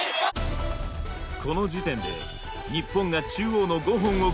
この時点で日本が中央の５本をクリア。